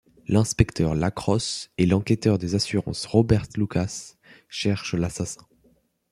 L'inspecteur Lacrosse et l'enquêteur des assurances Robert Lucas cherchent l'assassin...